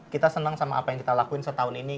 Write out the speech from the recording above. kita senang sama apa yang kita lakuin setahun ini